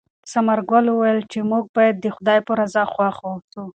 ثمرګل وویل چې موږ باید د خدای په رضا خوښ اوسو.